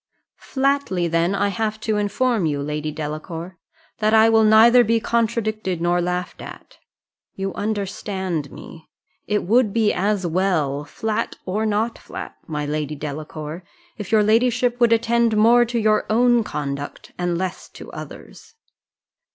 "Flatly then I have to inform you, Lady Delacour, that I will neither be contradicted nor laughed at you understand me, it would be as well, flat or not flat, my Lady Delacour, if your ladyship would attend more to your own conduct, and less to others!"